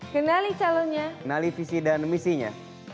kenali calonnya kenali visi dan misinya